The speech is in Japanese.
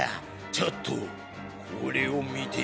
ちょっとこれを見てみて。